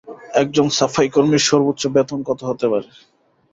একজন সাফাইকর্মীর সর্বোচ্চ বেতন কত হতে পারে?